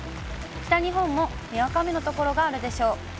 北日本もにわか雨の所があるでしょう。